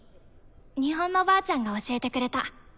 日本のばあちゃんが教えてくれた。